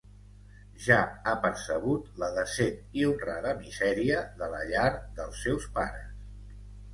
Ja ha percebut la decent i honrada misèria de la llar dels seus pares.